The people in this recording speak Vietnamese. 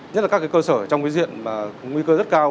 nhất là các cơ sở trong cái diện mà nguy cơ rất cao